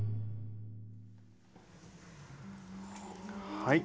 はい。